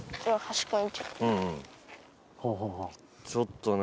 ちょっとね。